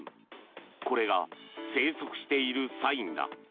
これが生息しているサインだ。